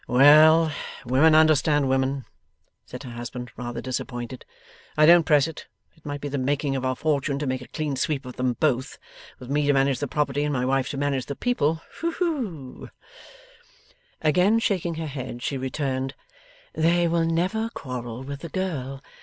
'Well! Women understand women,' said her husband, rather disappointed. 'I don't press it. It might be the making of our fortune to make a clean sweep of them both. With me to manage the property, and my wife to manage the people Whew!' Again shaking her head, she returned: 'They will never quarrel with the girl.